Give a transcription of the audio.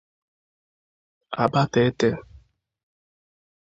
Abatete